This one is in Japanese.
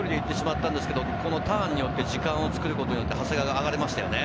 このターンによって、時間をつくることによって、長谷川が上がれましたね。